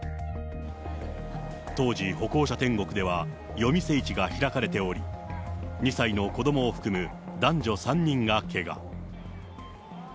当時、歩行者天国では夜店市が開かれており、２歳の子どもを含む男女３人がけが。